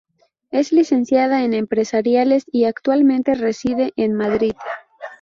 Es licenciada en Empresariales y actualmente reside en Madrid.